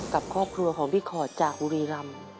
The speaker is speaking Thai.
กับครอบครัวของพี่คอจากหุลีรัม